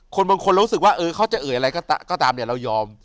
บางคนเรารู้สึกว่าเออเขาจะเอ่ยอะไรก็ตามเนี่ยเรายอม